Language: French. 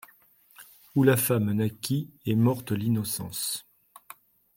Où la femme naquit, est morte l’innocence.